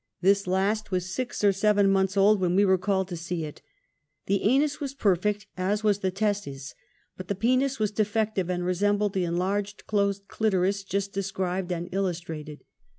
This last was six or seven months old when w^e were called to see it. The anus was perfect as was the testes, but the penis w^as defective and resembled the enlarged, closed cli toris just described and illustrated.